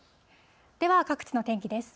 では、各地の天気です。